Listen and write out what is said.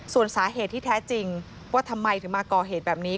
ส่วนสาเหตุที่แท้จริงว่าทำไมถึงมาก่อเหตุแบบนี้